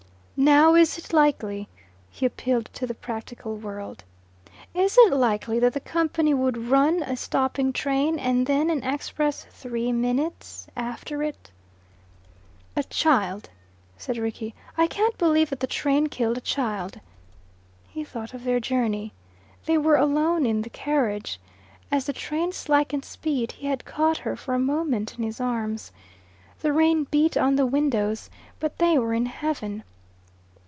"Now is it likely" he appealed to the practical world "is it likely that the company would run a stopping train and then an express three minutes after it?" "A child " said Rickie. "I can't believe that the train killed a child." He thought of their journey. They were alone in the carriage. As the train slackened speed he had caught her for a moment in his arms. The rain beat on the windows, but they were in heaven.